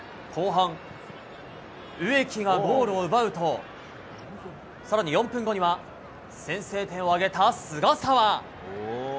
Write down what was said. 後半、植木がゴールを奪うと更に４分後には先制点を挙げた菅澤。